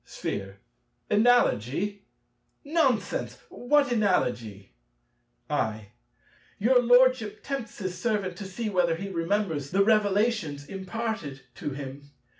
Sphere. Analogy! Nonsense: what analogy? I. Your Lordship tempts his servant to see whether he remembers the revelations imparted to him.